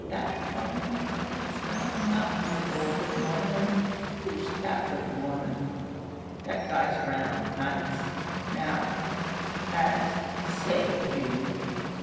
That darlin' girl has found a mountain of gold wid Norman an' " "Who's that wid Norman? That guy's around, nights, now, as " "Say, you!!